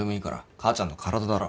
母ちゃんの体だろ。